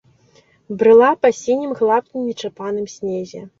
Брыла па сінім гладкім нечапаным снезе.